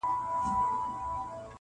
تشي کیسې د تاریخونو کوي-